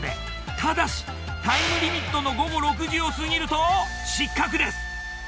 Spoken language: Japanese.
ただしタイムリミットの午後６時を過ぎると失格です。